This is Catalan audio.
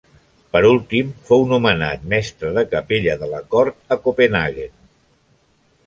Per últim, fou nomenat mestre de capella de la cort a Copenhaguen.